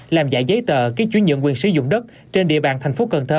làm giải giấy tờ ký chú nhận quyền sử dụng đất trên địa bàn thành phố cần thơ